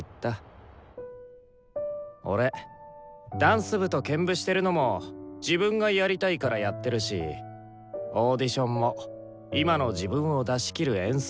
俺ダンス部と兼部してるのも自分がやりたいからやってるしオーディションも今の自分を出し切る演奏ができた。